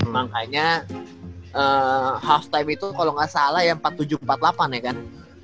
makanya half time itu kalau nggak salah ya empat puluh tujuh empat puluh delapan ya kan